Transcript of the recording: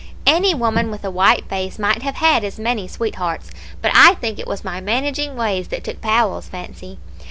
Any woman with a white face might have had as many sweethearts; but I think it was my managing ways that took Powell's fancy.